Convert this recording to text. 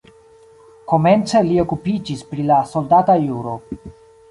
Komence li okupiĝis pri la soldata juro.